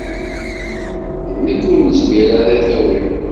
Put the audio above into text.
D nekk ur nezmir ara ad t-awiɣ.